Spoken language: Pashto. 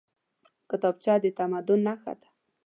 کتابچه د تمدن نښه ده